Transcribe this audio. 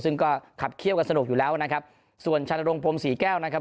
ซึ่งก็ขับเขี้ยวกันสนุกอยู่แล้วนะครับส่วนชานรงพรมศรีแก้วนะครับ